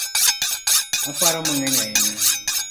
Aparo mang’eny ahinya